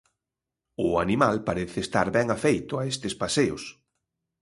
O animal parece estar ben afeito a estes paseos.